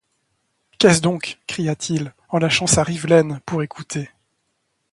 Qu’est-ce donc? cria-t-il, en lâchant sa rivelaine pour écouter.